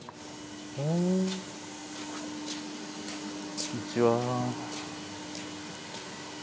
こんにちは。